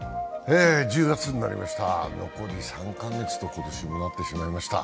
１０月になりました、残り３か月と今年もなってしまいました。